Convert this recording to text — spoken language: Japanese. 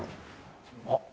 あっ！